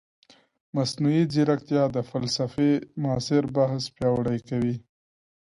مصنوعي ځیرکتیا د فلسفې معاصر بحث پیاوړی کوي.